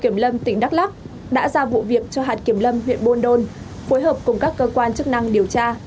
bắc lắc đã ra vụ việc cho hạt kiểm lâm huyện bôn đôn phối hợp cùng các cơ quan chức năng điều tra